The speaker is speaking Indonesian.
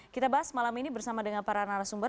kita bahas malam ini bersama dengan para narasumber